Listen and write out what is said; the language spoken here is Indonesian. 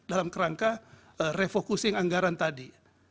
dalam kerangka refocusing anggaran tadi